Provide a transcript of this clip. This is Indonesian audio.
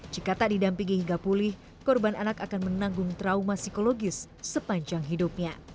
jika tak didampingi hingga pulih korban anak akan menanggung trauma psikologis sepanjang hidupnya